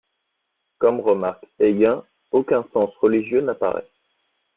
Comme remarque Eygun, aucun sens religieux n'apparaît.